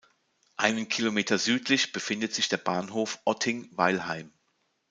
Einen Kilometer südlich befindet sich der Bahnhof Otting-Weilheim.